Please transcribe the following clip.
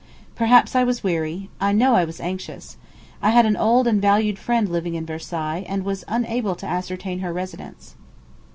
Perhaps I was weary; I know I was anxious. I had an old and valued friend living in Versailles, and was unable to ascertain her residence.